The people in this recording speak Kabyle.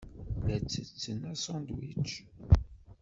La ttetten asandwic.